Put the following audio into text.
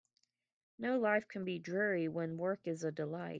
No life can be dreary when work is a delight.